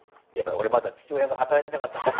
俺まだ父親が働いてなかったっていう。